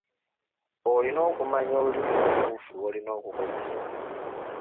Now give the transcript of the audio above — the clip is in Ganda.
Olina okumanya olulimi olutuufu lw'olina okukozesa.